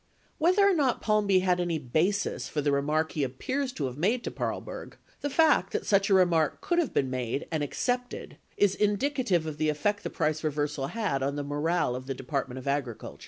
2 ® Whether or not Palmby had any basis for the remark he appears to have made to Paarlberg, the fact that such a remark could have been made — and accepted — is indicative of the effect the price reversal had on the morale of the Department of Agriculture.